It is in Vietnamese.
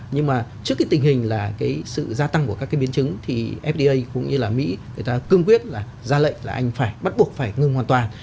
nhưng mà trước cái tình hình là cái sự gia tăng của các cái biến chứng thì fda cũng như là mỹ người ta cương quyết là ra lệnh là anh phải bắt buộc phải ngừng hoàn toàn